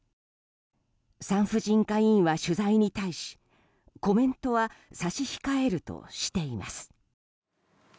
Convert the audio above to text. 産婦人科医院は取材に対しコメントは差し控えるとしています。